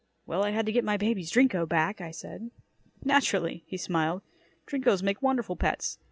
"Well, I had to get my baby's Drinko back," I said. "Naturally," he smiled. "Drinkos make wonderful pets.